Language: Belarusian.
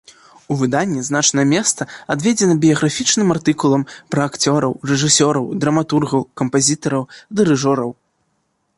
У выданні значнае месца адведзена біяграфічным артыкулам пра акцёраў, рэжысёраў, драматургаў, кампазітараў, дырыжораў.